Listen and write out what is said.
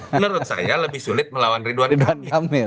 menurut saya lebih sulit melawan ridwan kamil